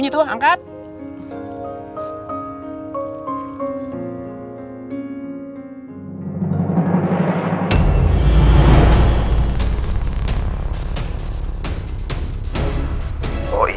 telepon bunyi tuh